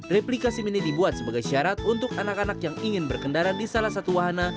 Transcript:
replikasi mini dibuat sebagai syarat untuk anak anak yang ingin berkendara di salah satu wahana